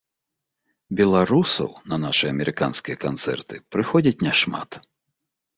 Беларусаў на нашы амерыканскія канцэрты прыходзіць няшмат.